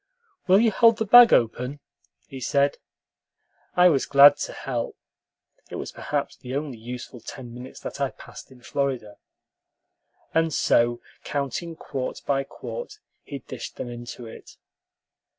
"Will you hold the bag open?" he said. I was glad to help (it was perhaps the only useful ten minutes that I passed in Florida); and so, counting quart by quart, he dished them into it.